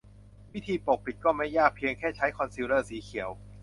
วิธีปกปิดก็ไม่ยากเพียงแค่ใช้คอนซีลเลอร์สีเขียว